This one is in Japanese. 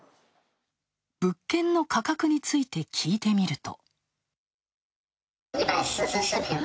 物件の価格について聞いてみると。